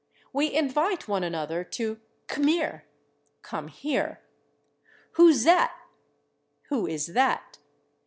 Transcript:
We invite one another to 'c'meer' (=come here) ... 'Hoo zat?' (=who is that?)